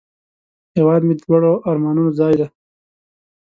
هیواد مې د لوړو آرمانونو ځای دی